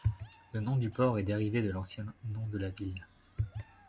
Le nom du port est dérivé de l'ancien nom de la ville.